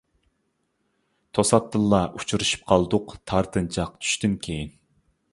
توساتتىنلا ئۇچرىشىپ قالدۇق تارتىنچاق چۈشتىن كېيىن.